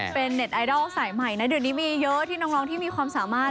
เป็นเน็ตไอดอลสายใหม่นะเดี๋ยวนี้มีเยอะที่น้องที่มีความสามารถ